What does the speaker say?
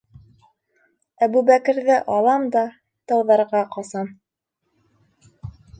Әбүбәкерҙе алам да... тауҙарға ҡасам!